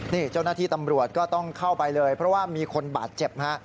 นี่เจ้าหน้าที่ตำรวจก็ต้องเข้าไปเลยเพราะว่ามีคนบาดเจ็บฮะ